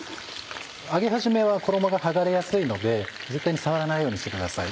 揚げ始めは衣が剥がれやすいので絶対に触らないようにしてください。